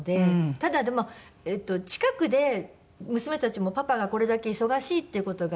ただでも近くで娘たちもパパがこれだけ忙しいっていう事が。